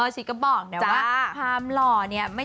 ชิคก็บอกจ้ะว่าความหล่อไม่เท่าไหร่